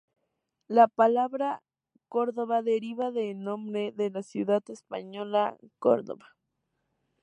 La palabra córdova deriva del nombre de la ciudad española Córdoba.